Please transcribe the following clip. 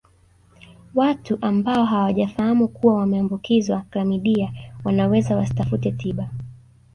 Watu ambao hawajafahamu kuwa wameambukizwa klamidia wanaweza wasitafute tiba